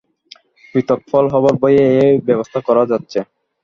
পৃথক ফল হবার ভয়েই এই ব্যবস্থা করা যাচ্ছে।